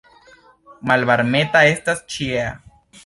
Malvarmeta estas ĉiea.